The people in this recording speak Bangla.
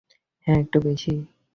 হ্যাঁ, একটু বেশি।